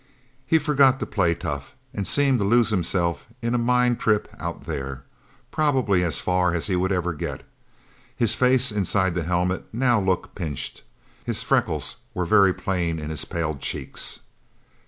He forgot to play tough, and seemed to lose himself in a mind trip Out There probably as far as he would ever get. His face, inside the helmet, now looked pinched. His freckles were very plain in his paled cheeks.